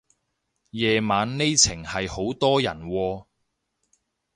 夜晚呢程係好多人喎